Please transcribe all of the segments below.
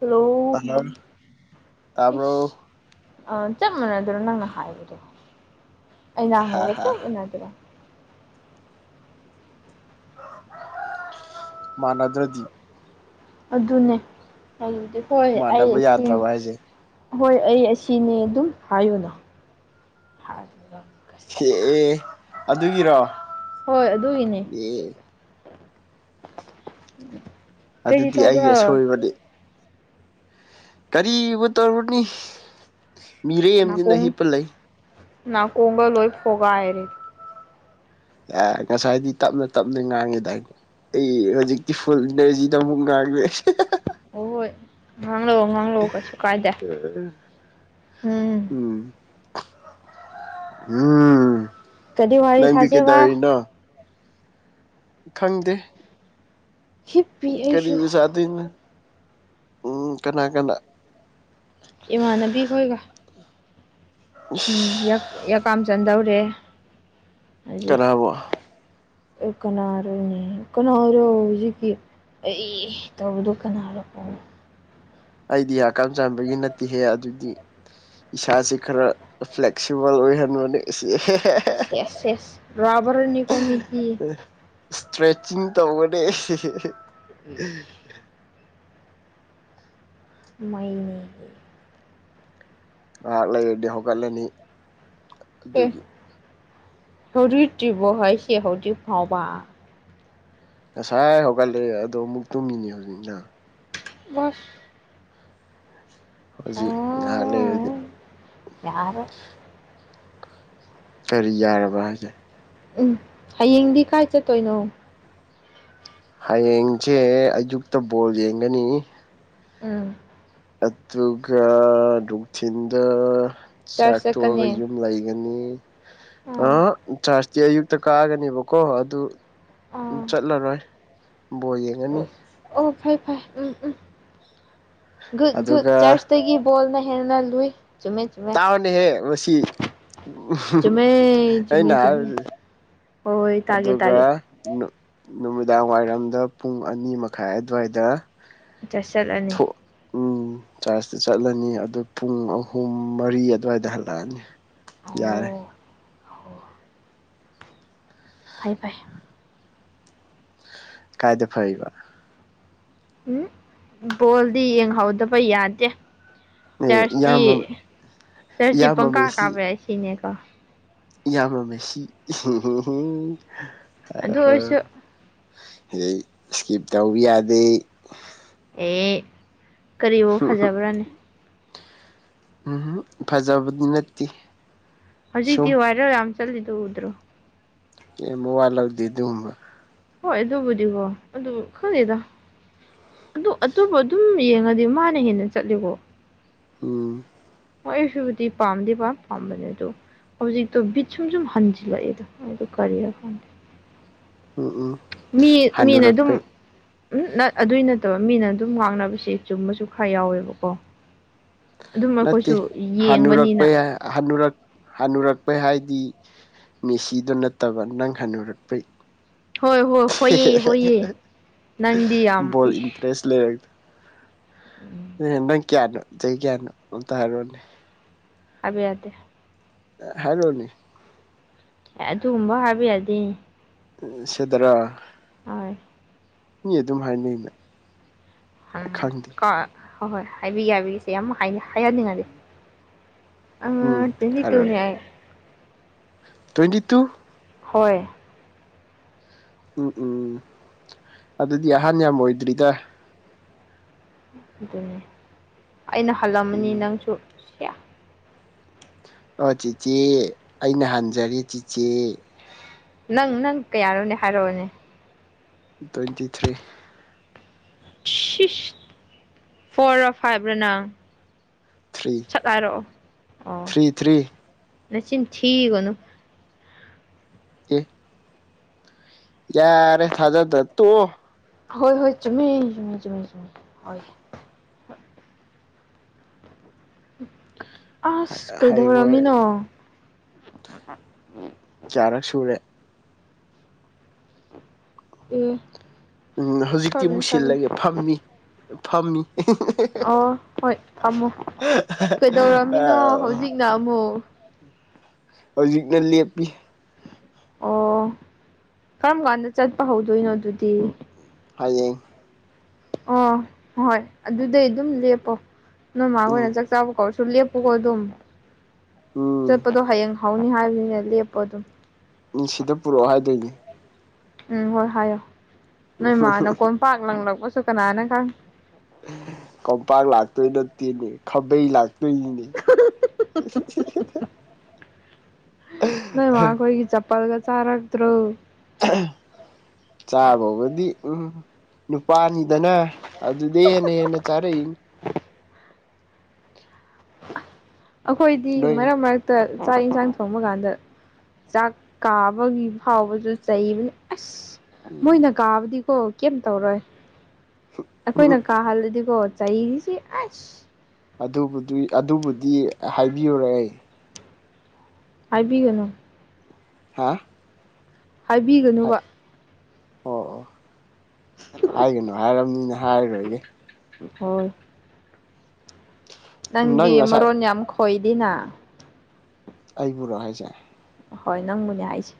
Hello ꯇꯥꯕ꯭ꯔꯣ ꯏꯁ ꯑ ꯆꯞ ꯃꯥꯟꯅꯗꯔꯣ ꯅꯪꯅ ꯍꯥꯏꯕꯗꯣ ꯑꯩꯅ ꯍꯥ ꯍꯪꯕ ꯍꯥ ꯆꯞ ꯃꯥꯟꯅꯗꯔꯣ ꯃꯥꯟꯅꯗ꯭ꯔꯗꯤ ꯑꯗꯨꯅꯦ [unintelligible] ꯍꯣꯏ ꯑꯩ ꯃꯥꯟꯅꯕ ꯏꯁꯤꯡ ꯌꯥꯗ꯭ꯔꯕ ꯍꯥꯏꯁꯦ ꯍꯣꯏ ꯑꯩ ꯑꯁꯤꯅꯦ ꯑꯗꯨꯝ ꯍꯥꯏꯌꯨꯅ ꯍꯦ ꯀꯁ꯭ꯌꯥ ꯑꯦ ꯑꯗꯨꯒꯤꯔꯣ ꯍꯣꯏ ꯑꯗꯨꯒꯤꯅꯦ ꯑꯦ ꯀꯔꯤ ꯑꯗꯨꯗꯤ ꯑꯩꯒꯤ ꯇꯧꯕ꯭ꯔꯣ ꯑꯁꯣꯏꯕꯅꯤ ꯀꯔꯤꯕꯨ ꯇꯧꯔꯕꯨꯅꯤ ꯅꯥꯀꯣꯡ ꯅꯥꯀꯣꯡꯒ ꯂꯣꯏ ꯐꯣꯒꯥꯏꯔꯦ ꯑꯦ ꯉꯁꯥꯏꯗꯤ ꯇꯞꯅ ꯇꯞꯅ ꯉꯥꯡꯉꯦꯗꯥꯏꯅꯦ ꯑꯩ ꯍꯧꯖꯤꯛꯇꯤ ꯐꯨꯜ ꯏꯅꯔꯖꯤꯗ ꯑꯃꯨꯛ ꯉꯥꯡꯂꯦ [unintelligible] ꯍꯣꯍꯣꯏ ꯉꯥꯡꯂꯛꯑꯣ ꯉꯥꯡꯂꯛꯑꯣ ꯀꯩꯁꯨ ꯀꯥꯏꯗꯦ ꯎꯝ ꯎꯝ ꯀꯔꯤ ꯋꯥꯔꯤ ꯅꯪꯗꯤ ꯀꯩꯗꯧ ꯁꯥꯁꯦꯕ ꯔꯤꯅꯣ ꯈꯪꯗꯦ ꯍꯤꯞꯄꯤ ꯑꯩꯁꯨ ꯀꯔꯤꯒ ꯆꯥꯗꯣꯏꯅꯣ ꯎꯝ ꯀꯅꯥ ꯀꯅꯥ ꯏꯃꯥꯟꯅꯕꯤꯈꯣꯏꯒ ꯎꯝ ꯌꯥꯛ ꯌꯥꯀꯥꯝ ꯆꯟꯗꯧꯔꯦ ꯍꯧꯖꯤꯛ ꯀꯅꯥꯕꯨ ꯑꯦ ꯀꯅꯥꯔꯅꯦ ꯀꯅꯥꯔꯣ ꯍꯧꯖꯤꯛꯀꯤ ꯑꯩ ꯇꯧꯕꯗꯣ ꯀꯅꯥꯔꯣꯀꯣ ꯑꯩꯗꯤ ꯌꯀꯥꯝ ꯆꯟꯕꯒꯤ ꯅꯠꯇꯦꯍꯦ ꯑꯗꯨꯗꯤ ꯏꯁꯥꯁꯤ ꯈꯔ ꯐ꯭ꯂꯦꯛꯁꯤꯕꯜ ꯑꯣꯏꯍꯟꯕꯅꯦ ꯁꯦꯁ ꯁꯦꯁ ꯔꯕꯔꯅꯤ ꯀꯃꯤꯇꯤ ꯁꯇ꯭ꯔꯦꯠꯆꯤꯡ ꯇꯧꯒꯅꯦ ꯍꯦꯍꯦꯍꯦ [unintelligible] ꯃꯥꯢꯅꯦ ꯉꯥꯏꯍꯥꯛ ꯂꯩꯔꯗꯤ ꯍꯧꯒꯠꯂꯅꯤ ꯑꯗꯨꯒꯤ [unintelligible] ꯇ꯭ꯔꯤꯕꯣ ꯍꯥꯏꯁꯤ ꯍꯥꯎꯖꯤꯛ ꯐꯥꯎꯕ ꯉꯁꯥꯏ ꯍꯧꯒꯠꯂꯦ ꯑꯗꯣ ꯃꯨꯛ ꯇꯨꯝꯃꯤꯅꯤ ꯍꯧꯖꯤꯛꯅ ꯕꯁ ꯍꯧꯖꯤꯛ ꯉꯥꯏꯍꯥꯛ ꯂꯩꯔꯗꯤ ꯑꯥ ꯌꯥꯔꯦ ꯀꯔꯤ ꯌꯥꯔꯕ ꯍꯥꯏꯖꯦ ꯎꯝ ꯍꯌꯦꯡꯗꯤ ꯀꯥꯏ ꯆꯠꯇꯣꯏꯅꯣ ꯍꯌꯦꯡꯁꯦ ꯑꯌꯨꯛꯇ ꯕꯣꯜ ꯌꯦꯡꯒꯅꯤ ꯎꯝ ꯑꯗꯨꯒ ꯅꯨꯡꯊꯤꯟꯗ ꯆꯥꯛ ꯆꯔꯆ ꯇꯣꯛꯑꯒ ꯆꯠꯀꯅꯤ ꯌꯨꯝ ꯂꯩꯒꯅꯤ ꯑ ꯎꯝ ꯆꯥꯔꯖꯇꯤ ꯑꯌꯨꯛꯇ ꯀꯒꯅꯦꯕꯀꯣ ꯑꯗꯨ ꯎꯝ ꯑꯥ ꯆꯠꯂꯔꯣꯏ ꯕꯣꯜ ꯌꯦꯡꯉꯅꯤ ꯑꯣ ꯐꯩ ꯐꯩ ꯎꯝ ꯎꯝ ꯒꯨꯠ ꯒꯨꯠ ꯑꯗꯨꯒ ꯆꯥꯔꯆꯇꯒꯤ ꯕꯣꯜꯅ ꯍꯦꯟꯅ ꯂꯨꯏ ꯆꯨꯝꯃꯦ ꯆꯨꯝꯃꯦ ꯇꯥꯕꯅꯦꯍꯦ ꯃꯁꯤ ꯎꯝꯍꯨꯍꯨꯡ ꯆꯨꯝꯃꯦ ꯆꯨꯝꯃꯦ ꯑꯩꯅ ꯆꯨꯝꯃꯦ ꯍꯥꯏꯁꯤ ꯍꯣꯏ ꯇꯥꯒꯦ ꯇ ꯑꯗꯨꯒ ꯅꯨꯃꯤꯗꯥꯡ ꯋꯥꯏꯔꯝꯗ ꯄꯨꯡ ꯑꯅꯤ ꯃꯈꯥꯏ ꯑꯗꯨꯋꯥꯏꯗ ꯆ꯭ꯔꯁ ꯆꯠꯂꯅꯤ ꯊꯣꯛ ꯎꯝ ꯆꯥꯔꯖꯇ ꯆꯠꯂꯅꯤ ꯑꯗꯨ ꯄꯨꯡ ꯑꯍꯨꯝ ꯃꯔꯤ ꯑꯗꯨꯋꯥꯏꯗ ꯍꯜꯂꯛꯑꯅꯤ ꯌꯥꯔꯦ ꯑꯣ ꯐꯥꯏ ꯐꯥꯏ ꯀꯥꯏꯗ ꯐꯔꯤꯕ ꯎꯝ ꯕꯣꯜꯗꯤ ꯌꯦꯡꯍꯧꯗꯕ ꯌꯥꯗꯦ ꯑꯦ ꯆꯔꯆꯇꯤ ꯏꯌꯥꯝꯕ ꯆꯔꯆꯇꯤ ꯏꯌꯥꯝꯕ ꯄꯪꯀꯥ ꯀꯥꯕ ꯌꯥꯏ ꯁꯤꯅꯦꯀꯣ ꯢꯌꯥꯝꯕ ꯃꯦꯁꯤ ꯑꯗꯨ ꯑꯣꯏꯔꯁꯨ [unintelligible] ꯁꯤꯗꯩ ꯏꯁꯀꯤꯞ ꯇꯧꯕ ꯌꯥꯗꯦ ꯑꯦ ꯀꯔꯤꯕꯨ ꯐꯖꯕ꯭ꯔꯥꯅꯦ ꯎꯝ ꯐꯖꯕꯗꯤ ꯅꯠꯇꯦ ꯍꯧꯖꯤꯛꯇꯤ ꯁꯨꯝ ꯚꯥꯏꯔꯦꯜ ꯌꯥꯝ ꯆꯠꯂꯤꯗꯣ ꯎꯗ꯭ꯔꯣ ꯑꯦ ꯃꯣꯋꯥ ꯂꯧꯗꯦ ꯑꯗꯨꯒꯨꯝꯕ ꯍꯣꯏ ꯑꯗꯨꯕꯨꯗꯤꯀꯣ ꯑꯗꯨ ꯈꯪꯗꯦꯗ ꯑꯗꯨ ꯑꯗꯨꯕꯨ ꯑꯗꯨꯝ ꯌꯦꯡꯉꯗꯤ ꯃꯥꯅ ꯍꯦꯟꯅ ꯆꯠꯂꯦꯒꯣ ꯎꯝ ꯍꯣ ꯑꯩꯁꯨꯕꯨꯗꯤ ꯄꯥꯝꯗꯦꯕ ꯄꯥꯝꯕꯗꯤ ꯑꯗꯨ ꯍꯧꯖꯤꯛꯇꯣ ꯕꯤꯠ ꯁꯨꯝ ꯁꯨꯝ ꯍꯟꯖꯤꯜꯂꯛꯑꯦꯗ ꯑꯗꯨꯗꯣ ꯀꯔꯤꯔ ꯈꯪꯗꯦ ꯎꯝ ꯎꯝ ꯃꯤ ꯃꯤꯅ ꯑꯗꯨꯝ ꯍꯟꯅꯨꯔꯛꯄꯩ ꯎꯝ ꯅ ꯑꯗꯨꯏ ꯅꯠꯇꯕ ꯃꯤꯅ ꯑꯗꯨꯝ ꯉꯥꯡꯅꯕꯁꯦ ꯆꯨꯝꯕꯁꯨ ꯈꯔ ꯌꯥꯎꯋꯦꯕꯀꯣ ꯑꯗꯨꯝ ꯅꯠꯇꯦ ꯑꯩꯈꯣꯏꯁꯨ ꯌꯦꯡꯕꯅꯤꯅ ꯍꯟꯅꯨꯔꯛꯄꯩ ꯍꯟꯅꯨꯔꯛ ꯍꯟꯅꯨꯔꯛꯄꯩ ꯍꯥꯏꯗꯤ ꯃꯦꯁꯤꯗꯣ ꯅꯠꯇꯕ ꯅꯪ ꯍꯟꯅꯨꯔꯛꯄꯩ ꯍꯣꯏ ꯍꯣ ꯍꯣꯏꯌꯦ ꯍꯣꯏꯌꯦ ꯅꯪꯗꯤ ꯌꯥꯝ ꯕꯣꯜ ꯏꯁ ꯏꯟꯇꯔꯦꯁ ꯂꯩꯔꯛ ꯎꯝ ꯑꯦ ꯅꯪ ꯀꯌꯥꯅꯣ ꯆꯍꯤ ꯀꯌꯥꯅꯣ ꯑꯝꯇ ꯍꯥꯏꯔꯣꯅꯦ ꯍꯥꯏꯕ ꯌꯥꯗꯦ ꯍꯥꯏꯔꯣꯅꯤ ꯑꯦ ꯑꯗꯨꯒꯨꯝꯕ ꯍꯥꯢꯕ ꯌꯥꯗꯦ ꯁꯤꯗꯔꯥ ꯑꯥꯏ꯫ ꯃꯤ ꯑꯗꯨꯝ ꯍꯥꯏꯅꯩꯅ ꯍꯥꯝ ꯈꯪꯗꯦ ꯀꯣ ꯍꯣꯏ ꯍꯣꯏ ꯍꯥꯏꯕꯤꯒꯦ ꯌꯥꯕꯤꯒꯦ ꯌꯥꯝ ꯍꯥꯏꯍꯟꯅꯤꯡꯉꯗꯤ ꯎꯝ ꯇ꯭ꯋꯦꯟꯇꯤ ꯇꯨꯅꯦ ꯍꯥꯏꯔꯛꯑꯣꯅꯦ ꯑꯩ ꯇ꯭ꯋꯦꯟꯇꯤ ꯇꯨ ꯍꯣꯏ ꯎꯝ ꯎꯝ ꯎꯝ ꯑꯗꯨꯗꯤ ꯑꯍꯥꯟ ꯌꯥꯝ ꯑꯣꯏꯗ꯭ꯔꯤꯗ ꯑꯗꯨꯅꯦ ꯑꯩꯅ ꯍꯜꯂꯝꯃꯅꯤ ꯎꯝ ꯅꯪꯁꯨ ꯁꯤꯌꯥ ꯑꯣ ꯆꯤꯆꯦ ꯑꯩꯅ ꯍꯟꯖꯔꯦ ꯆꯤꯆꯦ ꯅꯪ ꯅꯪ ꯀꯌꯥꯅꯣꯅꯦ ꯍꯥꯏꯔꯛꯑꯣꯅꯦ ꯇ꯭ꯋꯦꯟꯇꯤ ꯊ꯭ꯔꯤ ꯁꯤꯁ ꯐꯣꯔꯔ ꯐꯥꯏꯕꯔ ꯅꯪ ꯊ꯭ꯔꯤ ꯁꯠ ꯍꯥꯏꯔꯛꯑꯣ ꯑꯣ ꯊ꯭ꯔꯤ ꯊ꯭ꯔꯤ ꯅꯆꯤꯟ ꯊꯤꯒꯅꯨ ꯑꯦ ꯌꯥꯔꯦ ꯊꯥꯖꯗ ꯇꯣꯛꯑꯣ ꯍꯣꯏ ꯍꯣꯏ ꯆꯨꯝꯃꯦ ꯆꯨꯝꯃꯦ ꯆꯨꯝꯃꯦ ꯆꯨꯝꯃꯦ ꯍꯣꯏ ꯑꯁ ꯍꯌꯦꯡꯋꯥꯏ ꯀꯩꯗꯧꯔꯝꯃꯤꯅꯣ ꯀꯌꯥꯔꯛ ꯁꯨꯔꯦ ꯑꯦ ꯎꯝ ꯍꯧꯖꯤꯛꯇꯤ ꯁꯣꯏꯕꯅꯦ ꯑꯃꯨꯛ ꯁꯣꯏꯕꯅꯦ ꯁꯤꯜꯂꯒꯦ ꯐꯝꯃꯤ ꯐꯝꯃꯤ ꯑꯣ ꯍꯣꯏ ꯐꯝꯃꯨ ꯀꯩꯗꯧꯔꯝꯃꯤꯅꯣ ꯍꯧꯖꯤꯛꯅ ꯑꯃꯨꯛ ꯍꯧꯖꯤꯛꯅ ꯂꯦꯞꯄꯤ ꯑꯣ ꯀꯔꯝ ꯀꯥꯟꯗ ꯆꯠꯄ ꯍꯧꯗꯣꯏꯅꯣ ꯑꯗꯨꯗꯤ ꯍꯥꯌꯦꯡ ꯑꯣ ꯍꯣꯏ ꯑꯗꯨꯗꯤ ꯑꯗꯨꯝ ꯂꯦꯞꯄꯣ ꯅꯣꯏ ꯃꯥꯍꯣꯏꯅ ꯆꯥꯛ ꯎꯝ ꯆꯥꯕ ꯀꯧꯔꯁꯨ ꯂꯦꯞꯄꯨ ꯀꯣ ꯑꯗꯨꯝ ꯎꯝ ꯆꯠꯄꯗꯣ ꯍꯌꯦꯡ ꯍꯧꯅꯤ ꯍꯥꯏꯕꯅꯤꯅ ꯂꯦꯞꯄꯣ ꯑꯗꯨꯝ ꯃꯤ ꯁꯤꯗ ꯄꯨꯔꯛꯑꯣ ꯍꯥꯏꯗꯣꯏꯅꯦ ꯎꯝ ꯍꯣꯏ ꯍꯥꯏꯌꯣ ꯅꯣꯏ ꯃꯥꯅ ꯀꯣꯟꯄꯥꯛ ꯂꯪꯂꯛꯄꯁꯨ ꯀꯅꯥꯅ ꯈꯪꯕ ꯀꯝꯄꯥꯛ ꯂꯥꯛꯇꯣꯏ ꯅꯠꯇꯦꯅꯦ ꯈꯥꯝꯕꯩ ꯂꯥꯛꯇꯣꯏꯅꯤ ꯅ ꯋꯥ ꯀ ꯆꯞꯄꯜꯒ ꯆꯥꯔꯗ꯭ꯔꯣ ꯆꯥꯕꯥꯎꯕꯗꯤ ꯎꯝ ꯅꯨꯄꯥꯅꯤꯗꯅ ꯑꯗꯨꯗꯤ ꯍꯦꯟꯅ ꯍꯦꯟꯅ ꯆꯥꯔꯛꯏꯅꯤ ꯑꯩꯈꯣꯏꯗꯤ ꯅꯣꯏ ꯃꯔꯛ ꯃꯔꯛꯇ ꯆꯥꯛ ꯌꯦꯟꯁꯥꯡ ꯊꯣꯡꯕ ꯀꯥꯟꯗ ꯆꯥꯛ ꯀꯥꯕꯒꯤ ꯐꯥꯎꯕꯁꯨ ꯆꯩꯕꯅꯤ ꯑꯁ ꯎꯝ ꯃꯣꯏꯅ ꯀꯥꯕꯗꯤꯀꯣ ꯀꯩꯝ ꯇꯧꯔꯣꯏ ꯑꯩꯈꯣꯏꯅ ꯀꯥꯍꯜꯂꯗꯤꯀꯣ ꯆꯥꯏꯁꯦ ꯑꯁ ꯑꯗꯨꯕꯨ ꯑꯗꯨꯕꯨꯗꯤ ꯍꯥꯏꯕꯤꯌꯨꯔ ꯑꯩ ꯍꯥꯏꯕꯤꯒꯅꯨ ꯍꯥ ꯍꯥꯏꯕꯤꯒꯅꯨꯕ ꯑꯣ ꯑꯣ ꯍꯥꯏꯒꯅꯨ ꯍꯥꯏꯔꯕꯅꯤꯅ ꯍꯥꯏꯔꯔꯣꯏꯒꯦ ꯍꯣꯏ ꯅꯪꯗꯤ ꯅꯪ ꯉꯁꯥꯏ ꯃꯔꯣꯟ ꯌꯥꯝ ꯈꯣꯏꯗꯦꯅ ꯑꯩꯕꯨꯔꯣ ꯍꯥꯏꯁꯦ ꯍꯣꯏ ꯅꯪꯕꯨꯅꯦ ꯍꯥꯏꯁꯦ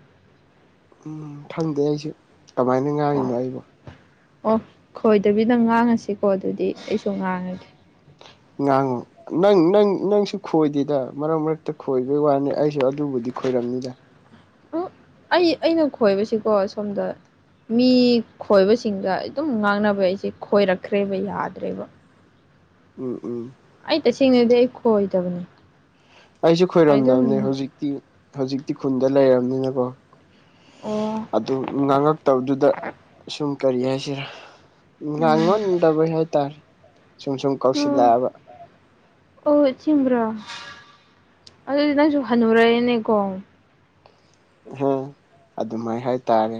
ꯎꯝ ꯈꯪꯗꯦ ꯑꯩꯁꯨ ꯀꯃꯥꯏꯅ ꯉꯥꯡꯉꯤꯅꯣ ꯑꯩꯕꯣ ꯑꯣ ꯈꯣꯏꯗꯕꯤꯗ ꯉꯥꯡꯉꯁꯤꯀꯣ ꯑꯗꯨꯗꯤ ꯑꯩꯁꯨ ꯉꯥꯡꯉꯒꯦ ꯉꯥꯡꯉꯨ ꯅꯪ ꯅꯪ ꯅꯪꯁꯨ ꯈꯣꯏꯗꯦꯗ ꯃꯔꯛ ꯃꯔꯛꯇ ꯈꯣꯏꯕꯩ ꯋꯥꯅꯤ ꯑꯩꯁꯨ ꯑꯗꯨꯕꯨꯗꯤ ꯈꯣꯏꯔꯝꯅꯤꯗ ꯎꯝ ꯑꯩ ꯑꯩꯅ ꯈꯣꯏꯕꯁꯤꯀꯣ ꯁꯣꯝꯗ ꯃꯤ ꯈꯣꯏꯕꯁꯤꯡꯒ ꯑꯗꯨꯝ ꯉꯥꯡꯅꯕ ꯑꯩꯁꯦ ꯈꯣꯏꯔꯛꯈ꯭ꯔꯦꯕ ꯌꯥꯗ꯭ꯔꯦꯕ ꯎꯝ ꯎꯝ ꯑꯩ ꯇꯁꯦꯡꯅꯗꯤ ꯑꯩ ꯈꯣꯏꯗꯕꯅꯦ ꯑꯩꯁꯨ ꯑꯩ ꯈꯣꯏꯔꯝꯗꯕꯅꯦ ꯑꯗꯨꯝ ꯍꯧꯖꯤꯛꯇꯤ ꯍꯧꯖꯤꯛꯇꯤ ꯈꯨꯟꯗ ꯂꯩꯔꯕꯅꯤꯅꯀꯣ ꯑꯣ ꯑꯗꯨ ꯉꯥꯡꯉꯛꯇꯕꯗꯨꯗ ꯁꯨꯝ ꯀꯔꯤ ꯍꯥꯏꯁꯤꯔꯥ ꯎꯝ ꯉꯥꯡꯉꯣꯟꯟꯗꯕꯩ ꯍꯥꯏꯇꯥꯔꯦ ꯁꯨꯝ ꯁꯨꯝ ꯑꯣ ꯀꯧꯁꯤꯜꯂꯛꯑꯕ ꯑꯣ ꯆꯤꯡꯕ꯭ꯔꯣ ꯑꯗꯨꯗꯤ ꯅꯪꯁꯨ ꯍꯟꯅꯨꯔꯦꯅꯦꯀꯣ ꯑ ꯑꯗꯨꯃꯥꯏ ꯍꯥꯏꯇꯥꯔꯦ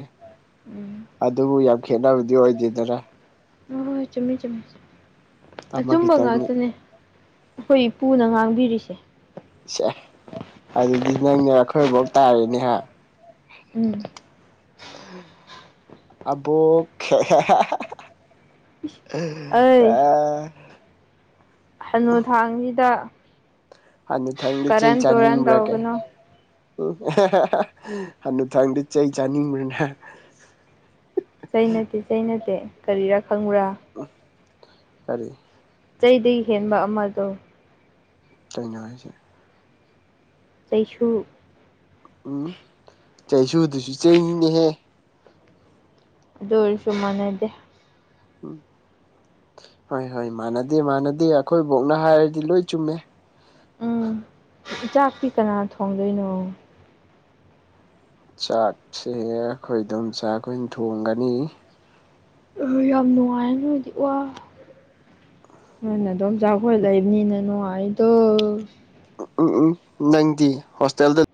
ꯎꯝ ꯑꯗꯨꯕꯨ ꯈꯦꯗꯥꯕꯨꯗꯤ ꯑꯣꯏꯗꯗꯔꯥ ꯍꯣꯏ ꯍꯣꯏ ꯍꯣꯏ ꯆꯨꯝꯃꯤ ꯆꯨꯝꯃꯤ ꯑꯃ ꯑꯆꯨꯝꯕ ꯈꯤꯇꯪꯅꯤ ꯉꯥꯛꯇꯅꯦ ꯑꯩꯈꯣꯏ ꯏꯄꯨꯅ ꯉꯥꯡꯕꯤꯔꯤꯁꯦ ꯁꯦ ꯑꯗꯨꯗꯤ ꯅꯪꯅꯦ ꯑꯩꯈꯣꯏꯐꯧ ꯇꯥꯔꯦꯅꯦꯍ ꯎꯝ ꯑꯕꯣ ꯍꯥ ꯍꯥ ꯍꯥ ꯑ ꯍꯅꯨꯊꯥꯡꯁꯤꯗ ꯍꯅꯤꯊꯪꯗꯤ ꯆꯩ ꯇꯨꯔꯟ ꯆꯥꯅꯤꯡꯕ꯭ꯔꯒꯦ ꯇꯧꯒꯅꯨ ꯎ ꯍꯅꯊꯥꯡꯗ ꯆꯩ ꯆꯥꯅꯤꯡꯕ꯭ꯔꯅꯦ ꯆꯩꯅꯠꯇꯦ ꯆꯩꯅꯗꯦ ꯀꯔꯤꯔꯥ ꯈꯪꯕ꯭ꯔꯥ ꯎ ꯐꯔꯤ ꯆꯩꯗꯒꯤ ꯍꯦꯟꯕ ꯑꯃꯗꯣ ꯀꯩꯅꯣ ꯍꯥꯏꯁꯦ ꯆꯩꯁꯨ ꯎꯝ ꯆꯩꯁꯨꯗꯨꯁꯨ ꯆꯩꯦꯡꯅꯤꯅꯦꯍꯦ ꯑꯗꯨ ꯑꯣꯏꯔꯁꯨ ꯃꯥꯟꯅꯗꯦ ꯎꯝ ꯍꯣꯏ ꯍꯣꯏ ꯃꯥꯟꯅꯗꯦ ꯃꯥꯟꯅꯗꯦ ꯑꯩꯈꯣꯏꯕꯧꯅ ꯍꯥꯏꯔꯗꯤ ꯂꯣꯏ ꯆꯨꯝꯃꯦ ꯏꯆꯥꯛꯇꯤ ꯀꯅꯥ ꯊꯣꯡꯗꯣꯏꯅꯣ ꯆꯥꯛꯁꯦ ꯑꯩꯈꯣꯏ ꯑꯗꯨꯝ ꯆꯥꯛꯈꯣꯏꯅ ꯊꯣꯡꯒꯅꯤ ꯑꯣ ꯌꯥꯝ ꯅꯨꯡꯉꯥꯏ ꯅꯣꯏꯗꯤ ꯋꯥ ꯅꯣꯏꯅ ꯑꯗꯨꯝ ꯖꯥꯈꯣꯏ ꯂꯩꯕꯅꯤꯅ ꯅꯨꯡ ꯑꯩꯗꯣ ꯎꯝ ꯎꯝ ꯅꯪꯗꯤ ꯍꯣꯁꯇꯦꯜꯗ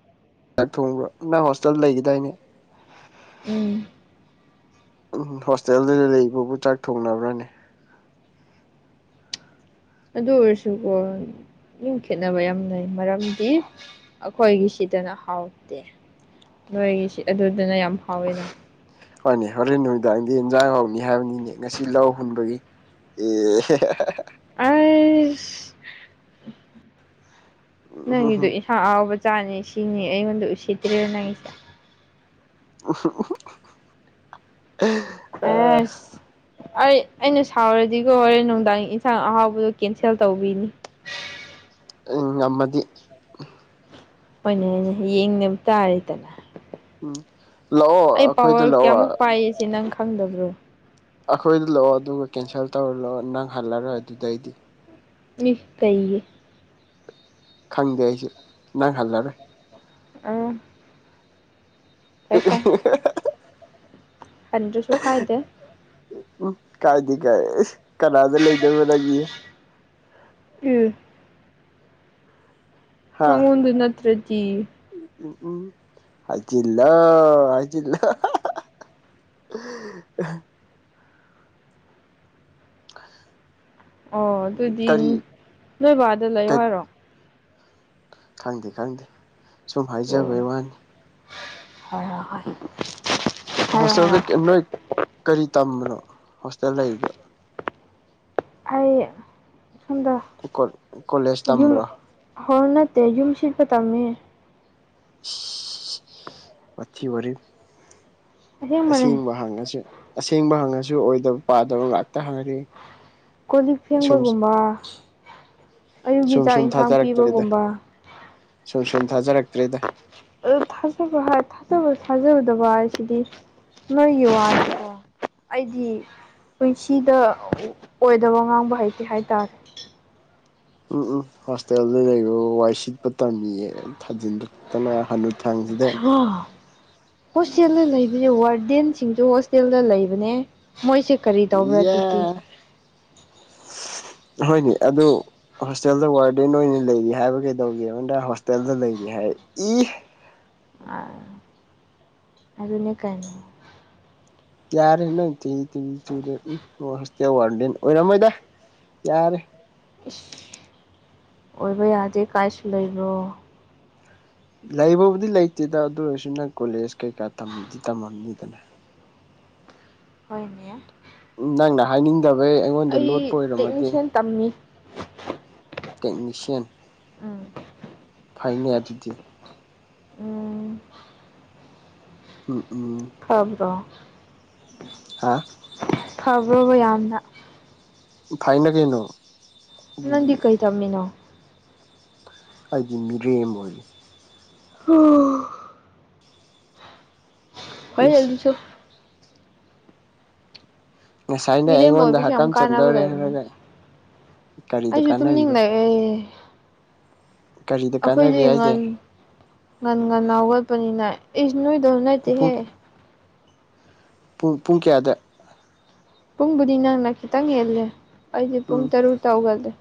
ꯊꯣꯡꯕ꯭ꯔꯣ ꯅꯪ ꯍꯣꯁꯇꯦꯜ ꯂꯩꯒꯗꯥꯏꯅꯦ ꯎꯝ ꯎꯝ ꯍꯣꯁꯇꯦꯜꯗꯨꯗ ꯂꯩꯕꯕꯨ ꯆꯥꯛ ꯊꯣꯡꯅꯕ꯭ꯔꯅꯦ ꯑꯗꯨ ꯑꯣꯏꯔꯁꯨꯀꯣ ꯌꯨꯝ ꯈꯦꯠꯅꯕ ꯌꯥꯝ ꯂꯩ ꯃꯔꯝꯗꯤ ꯑꯩꯈꯣꯏꯒꯤ ꯁꯤꯗꯅ ꯍꯥꯎꯇꯦ ꯅꯣꯏꯒꯤꯁꯤ ꯑꯗꯨꯗꯅ ꯌꯥꯝ ꯍꯥꯎꯋꯦꯅ ꯐꯅꯤ ꯍꯣꯔꯦꯟ ꯅꯨꯃꯤꯗꯥꯡꯗꯤ ꯏꯟꯖꯥꯡ ꯍꯧꯅꯤ ꯍꯥꯏꯕꯅꯤꯅꯦ ꯉꯁꯤ ꯂꯧ ꯍꯨꯟꯕꯒꯤ ꯑꯦ [unintelligible] ꯅꯪꯒꯤꯗꯣ ꯎꯝ ꯏꯟꯥ ꯑꯔꯥꯎꯕ ꯆꯥꯅꯤ ꯁꯤꯅꯤ ꯑꯩꯉꯣꯟꯗ ꯎꯁꯤꯠꯇ꯭ꯦꯔꯤꯕ ꯅꯪꯒꯤꯁꯦ [unintelligible] ꯑꯥ ꯑꯁ ꯑꯩ ꯑꯩꯅ ꯁꯥꯎꯔꯗꯤꯒꯣ ꯍꯣꯔꯦꯟ ꯅꯨꯡꯗꯥꯡ ꯏꯟꯁꯥꯡ ꯑꯍꯥꯎꯕꯗꯣ ꯀꯦꯟꯁꯦꯜ ꯇꯧꯕꯤꯅꯤ [inaudible] ꯎꯝ ꯉꯃꯗꯤ ꯍꯅꯦ ꯌꯦꯡꯅꯕ ꯇꯥꯔꯦꯗꯅ ꯎꯝ ꯂꯥꯛꯑꯣ ꯑꯩ ꯑꯩꯈꯣꯏꯗ ꯄꯋꯥꯔ ꯂꯥꯛꯑꯣ ꯀꯌꯥꯃꯨꯛ ꯄꯥꯏ ꯁꯤ ꯅꯪ ꯈꯪꯗꯕ꯭ꯔꯣ ꯑꯩꯈꯣꯏꯗ ꯂꯥꯛꯑꯣ ꯑꯗꯨꯒ ꯀꯦꯟꯁꯦꯜ ꯇꯧꯔꯨ ꯂꯥꯛꯑꯣ ꯅꯪ ꯍꯜꯂꯔꯣꯏ ꯑꯗꯨꯗꯩꯗꯤ ꯏ ꯀꯩꯒꯤ ꯈꯪꯗꯦ ꯑꯩꯁꯨ ꯅꯪ ꯍꯜꯂꯔꯣꯏ ꯑ [unintelligible] ꯀꯟꯗ‍꯭ꯔꯁꯨ ꯀꯥꯏꯗꯦ ꯎꯝ ꯀꯥꯏꯗꯦ ꯀꯥꯏ ꯀꯅꯥꯗ ꯂꯩꯗꯣꯏꯕ ꯅꯪꯗꯤ ꯎꯝ ꯍꯥ ꯅꯪꯉꯣꯟꯗ ꯅꯠꯇ꯭ꯔꯗꯤ ꯎꯝ ꯍꯥꯏꯖꯤꯜꯂꯣ ꯍꯥꯏꯖꯤꯜꯂꯣ [unintelligible] [unintelligible] ꯑꯣ ꯑꯗꯨꯗꯤ ꯀꯔꯤ ꯅꯣꯏ ꯕꯥꯗ ꯂꯩꯌꯣ ꯀꯩ ꯍꯥꯏꯔꯣ ꯈꯪꯗꯦ ꯈꯪꯗꯦ ꯁꯨꯝ ꯑꯣ ꯍꯥꯏꯖꯕꯩ ꯋꯥꯅꯤ ꯍꯣꯏ ꯍꯣꯏ ꯍꯣꯏ ꯍꯥꯏꯔꯣ ꯍꯣꯁꯇꯦꯜꯗ ꯍꯥꯏꯔꯣ ꯀꯩ ꯅꯣꯏ ꯀꯔꯤ ꯇꯝꯕꯅꯣ ꯍꯣꯁꯇꯦꯜ ꯂꯩꯔꯤꯗꯤ ꯑꯩ ꯁꯣꯝꯗ ꯀꯣꯂꯦꯖ ꯇꯝꯕ꯭ꯔꯣ ꯌꯨꯝ ꯍꯣꯏ ꯅꯠꯇꯦ ꯌꯨꯝꯁꯤ ꯈꯇꯡꯅꯦ ꯋꯥ ꯊꯨ ꯋꯔꯦꯝ ꯑꯁꯦꯡꯕꯅꯦ ꯑꯁꯤꯁꯦꯡꯕ ꯍꯪ ꯑꯁꯤ ꯑꯁꯦꯡꯕ ꯍꯪꯉꯁꯨ ꯑꯣꯏꯗꯕ ꯄꯥꯗꯕ ꯉꯥꯛꯇ ꯍꯪꯉꯔꯤ ꯀꯣꯂꯤꯛ ꯁꯨꯝ ꯐꯦꯡꯕꯒꯨꯝꯕ ꯑꯌꯨꯛꯀꯤ ꯁꯨꯝ ꯆꯥꯛ ꯁꯨꯝ ꯏꯟꯁꯥꯡ ꯊꯥꯖꯔꯛꯇ꯭ꯔꯦꯗ ꯄꯤꯕꯒꯨꯝꯕ ꯁꯨꯝ ꯁꯨꯝ ꯊꯥꯖꯔꯛꯇ꯭ꯔꯦꯗ ꯑ ꯊꯥꯖꯕ ꯍꯥꯏ ꯊꯥꯖꯕ ꯊꯥꯖꯗꯕ ꯍꯥꯏꯁꯤꯗꯤ ꯅꯣꯏꯒꯤ ꯋꯥꯗꯑꯣ ꯑꯩꯗꯤ ꯄꯨꯟꯁꯤꯗ ꯑꯣꯏꯗꯕ ꯉꯥꯡꯕ ꯍꯩꯇꯦ ꯍꯥꯏꯇꯥꯔꯦ ꯎꯝ ꯎꯝ ꯍꯣꯁꯇꯦꯜꯗ ꯂꯩꯕꯕꯨ ꯋꯥꯏ ꯁꯤꯠꯄ ꯇꯝꯃꯤꯌꯦ ꯊꯥꯖꯤꯟꯂꯛꯇꯅ ꯍꯟꯅꯨ ꯍꯩꯃꯥ ꯍꯣꯁꯇꯦꯜꯗ ꯂꯩꯕꯁꯦ ꯋꯥꯔꯗꯦꯟꯁꯤꯡꯁꯨ ꯍꯣꯁꯇꯦꯜꯗ ꯂꯩꯕꯅꯦ ꯃꯣꯏꯁꯦ ꯀꯔꯤ ꯇꯧꯕ꯭ꯔꯥ ꯌꯥ ꯑꯗꯨꯗꯤ ꯍꯣꯏꯅꯦ ꯑꯗꯨ ꯍꯣꯁꯇꯦꯜꯗ ꯋꯥꯔꯗꯦꯟ ꯑꯣꯏꯅ ꯂꯩꯔꯤ ꯍꯥꯏꯕ ꯀꯩꯗꯧꯒꯦꯕ ꯅꯣꯏ ꯍꯣꯁꯇꯦꯜꯗ ꯂꯩꯔꯤ ꯍꯥꯏ ꯏ [unintelligible] ꯑꯗꯨ ꯑꯗꯨꯅꯦ ꯀꯥꯏꯅ ꯌꯥꯔꯦ ꯅꯪ ꯇꯤꯡꯉꯤ ꯇꯤꯡꯉꯤ ꯆꯨꯔꯦ ꯎꯝ ꯅꯣꯏ ꯍꯣꯁꯇꯦꯜ ꯋꯥꯔꯗꯦꯟ ꯑꯣꯏꯔꯝꯃꯣꯏꯗ ꯌꯥꯔꯦ ꯑꯣꯏꯕ ꯌꯥꯗꯦ ꯀꯥꯏꯁꯨ ꯂꯩꯕ꯭ꯔꯣ ꯂꯩꯕꯕꯨꯗꯤ ꯂꯩꯇꯦꯗ ꯑꯗꯨ ꯑꯣꯏꯔꯁꯨ ꯅꯪ ꯀꯣꯂꯦꯖ ꯀꯩꯀꯥꯗꯤ ꯇꯝꯃꯝꯅꯤꯗꯅ ꯍꯣꯏꯅꯦ ꯎꯝ ꯅꯪꯅ ꯍꯥꯏꯅꯤꯡꯗꯕꯩ ꯑꯩꯉꯣꯟꯗ ꯂꯣꯠꯄ ꯑꯩ ꯑꯣꯏꯔꯝꯃꯗꯤ ꯇꯦꯛꯅꯤꯁꯤꯌꯥꯟ ꯇꯝꯃꯤ ꯇꯦꯛꯅꯤꯁꯤꯌꯥꯟ ꯎꯝ ꯐꯩꯅꯦ ꯑꯗꯨꯗꯤ ꯎꯝ ꯎꯝ ꯎꯝ ꯈꯕ꯭ꯔꯣ ꯍꯥꯥ ꯐꯕ꯭ꯔꯕ ꯌꯥꯝꯅ ꯐꯥꯏꯅꯒꯩꯅꯣ ꯅꯪꯗꯤ ꯀꯩ ꯇꯝꯃꯤꯅꯣ ꯑꯩꯗꯤ ꯃꯤꯔꯦꯝ ꯑꯣꯏꯔꯤ [unintelligible] ꯍꯣꯔꯦꯟ ꯏꯁ ꯑꯗꯨꯝ‌ ꯁꯨ ꯉꯁꯥꯏꯅ ꯃꯤꯔꯦꯝ ꯑꯩꯉꯣꯟꯗ ꯑꯣꯏꯕꯁꯦ ꯌꯥꯝ ꯍꯀꯝ ꯀꯥꯅꯥꯕ ꯆꯟꯗꯧꯔꯦ ꯍꯥꯏꯔꯒ ꯂꯩꯕꯅꯤꯗ ꯀꯔꯤꯗ ꯑꯩꯁꯨ ꯀꯥꯟꯅꯔꯤꯕ ꯇꯨꯝꯅꯤꯡꯅ ꯑꯦ ꯀꯔꯤꯗ ꯑꯩꯈꯣꯏꯗꯤ ꯀꯥꯟꯅꯒꯦ ꯍꯥꯏꯁꯦ ꯉꯟ ꯉꯟ ꯉꯟꯅ ꯍꯥꯎꯒꯠꯄꯅꯤꯅ ꯏꯁ ꯅꯣꯏꯗꯧ ꯅꯠꯇꯦꯍꯦ ꯄꯨꯡ ꯄꯨꯡ ꯄꯨꯡ ꯀꯌꯥꯗ ꯄꯨꯡꯕꯨꯗꯤ ꯅꯪꯅ ꯈꯤꯇꯪ ꯍꯦꯜꯂꯦ ꯑꯩꯗꯤ ꯄꯨꯡ ꯎꯝ ꯇꯔꯨꯛ ꯇꯧꯒꯜꯂꯦ